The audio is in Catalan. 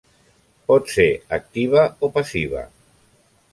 Pot ser activa o passiva.